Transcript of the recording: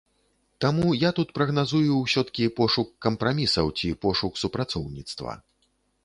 Таму я тут прагназую ўсё-ткі пошук кампрамісаў ці пошук супрацоўніцтва.